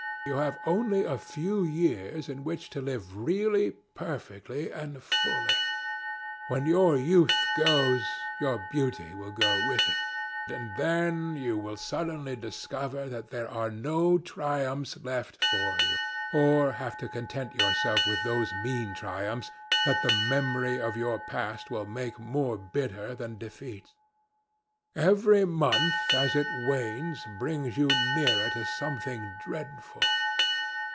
You have only a few years in which to live really, perfectly, and fully. When your youth goes, your beauty will go with it, and then you will suddenly discover that there are no triumphs left for you, or have to content yourself with those mean triumphs that the memory of your past will make more bitter than defeats. Every month as it wanes brings you nearer to something dreadful.